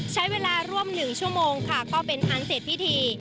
ใช้เวลาร่วม๑ชั่วโมงค่ะก็เป็นอันเสร็จพิธี